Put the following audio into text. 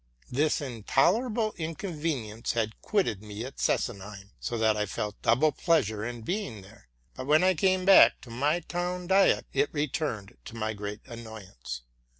'Chis intolerable inconvenience had quitted me at Sesenheim, so that I felt double pleasure in being there ; but when I came back to my town diet it returned, to my great annoyance.